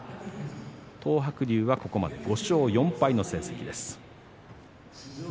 東白龍は、ここまで５勝４敗の成績です。